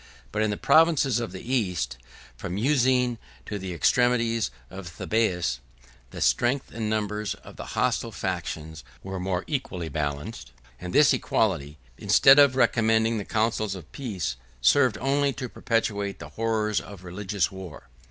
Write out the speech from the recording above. But in the provinces of the East, from the Euxine to the extremity of Thebais, the strength and numbers of the hostile factions were more equally balanced; and this equality, instead of recommending the counsels of peace, served only to perpetuate the horrors of religious war.